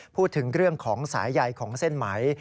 พูดถึงเรื่องของสายใยของเส้นไหม